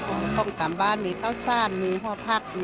คือการตัววันเจ้าทานดำวิทยานะคะ